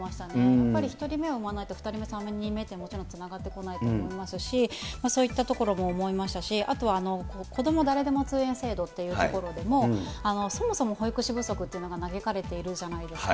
やっぱり１人目を産まないと２人目３人目ってもちろんつながってこないと思いますし、そういったところも思いましたし、あとはこども誰でも通園制度っていうところでも、そもそも保育士不足っていうのが嘆かれているじゃないですか。